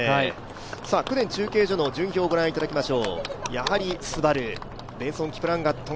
公田中継所の順位表をご覧いただきましょう。